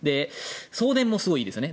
送電もすごくいいですよね。